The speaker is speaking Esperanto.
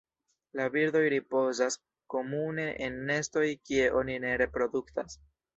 La birdoj ripozas komune en nestoj kie oni ne reproduktas.